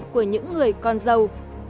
của những người con dâu